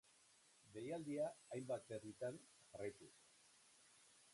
Deialdia hainbat herritan jarraitu dute.